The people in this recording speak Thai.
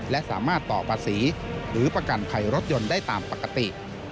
และสามารถต่อภาษีหรือประกันภัยรถยนต์ได้ตามปกติ